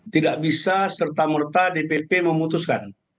tidak bisa serta merta dpp memutuskan